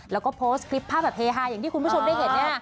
แล้วก็โพสต์คลิปภาพแบบเฮฮาอย่างที่คุณผู้ชมได้เห็น